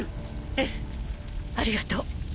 ええありがとう。